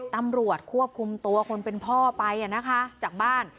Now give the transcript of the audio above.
ตำรวจควบคุมตัวคนเป็นพ่อไป